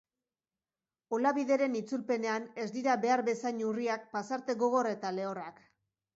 Olabideren itzulpenean ez dira behar bezain urriak pasarte gogor eta lehorrak.